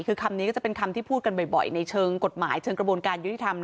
คือคำนี้ก็จะเป็นคำที่พูดกันบ่อยในเชิงกฎหมายเชิงกระบวนการยุติธรรม